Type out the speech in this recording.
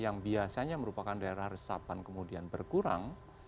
yang biasanya merupakan daerah resapan kemudian berkurang